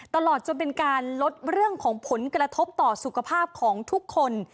ตลอดจนเป็นการลดเรื่องของผลกระทบต่อสุขภาพของทุกคน